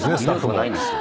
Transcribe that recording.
ないですよ